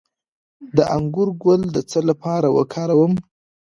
د انګور ګل د څه لپاره وکاروم؟